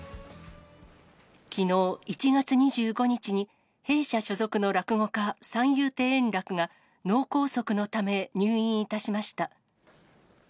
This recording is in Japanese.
きのう１月２５日に弊社所属の落語家、三遊亭円楽が、脳梗塞のため入院いたしました。